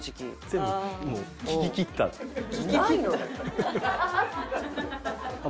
全部もう聞ききった？ないのよ。